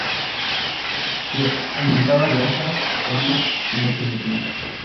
Se alimentan de hojas, ramas y brotes de plantas.